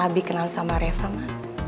dibanding abi kenal sama reva ma